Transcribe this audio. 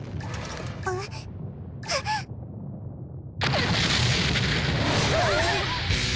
うわっ！